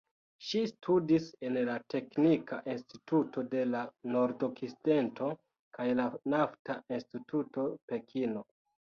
Ŝi studis en la "Teknika Instituto de la Nordokcidento" kaj la "Nafta Instituto Pekino".